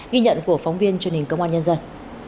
ghi nhận của phóng viên truyền hình công an nhân dân